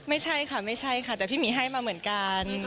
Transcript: ไม่ใช่ค่ะไม่ใช่ค่ะแต่พี่หมีให้มาเหมือนกัน